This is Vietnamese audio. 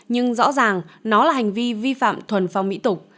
nhưng rõ ràng nó là hành vi vi phạm thuần phong mỹ tục